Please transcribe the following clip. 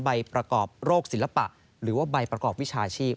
ใบประกอบโรคศิลปะหรือว่าใบประกอบวิชาชีพ